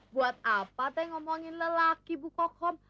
buat apa teh ngomongin lelaki ibu kokom